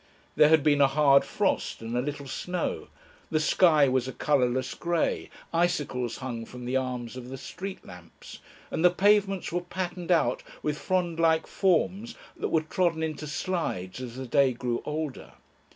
There had been a hard frost and a little snow, the sky was a colourless grey, icicles hung from the arms of the street lamps, and the pavements were patterned out with frond like forms that were trodden into slides as the day grew older.